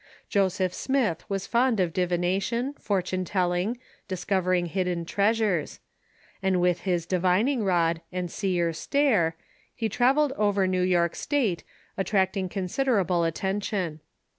Joseph Smitli was fond of divination, fortune telling, discovering hid den treasures; and Avith his divining rud and seer stare he travelled over New York State, attracting considerable atten tion.